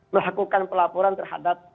melakukan pelaporan terhadap